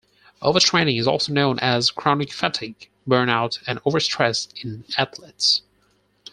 Overtraining is also known as chronic fatigue, burnout and overstress in athletes.